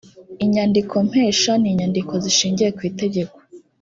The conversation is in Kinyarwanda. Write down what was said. inyandikompesha ni inyandiko zishingiye kwitegeko